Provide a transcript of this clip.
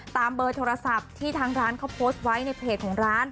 เบอร์โทรศัพท์ที่ทางร้านเขาโพสต์ไว้ในเพจของร้าน